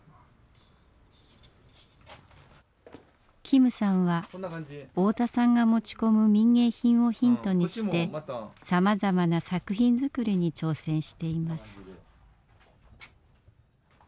金さんは太田さんが持ち込む民藝品をヒントにしてさまざまな作品づくりに挑戦しています。